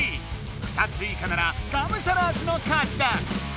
２ついかならガムシャラーズの勝ちだ！